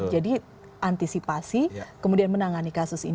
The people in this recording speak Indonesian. jadi antisipasi kemudian menangani kasus ini kemudian ya